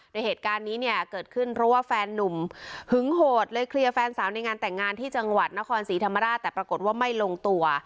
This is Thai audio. เหตุการณ์นี้เนี่ยเกิดขึ้นเพราะว่าแฟนนุ่มหึงโหดเลยเคลียร์แฟนสาวในงานแต่งงานที่จังหวัดนครศรีธรรมราชแต่ปรากฏว่าไม่ลงตัว